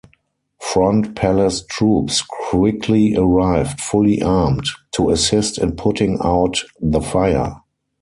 Front Palace troops quickly arrived, fully armed, "to assist in putting out the fire".